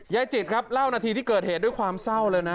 จิตครับเล่านาทีที่เกิดเหตุด้วยความเศร้าเลยนะ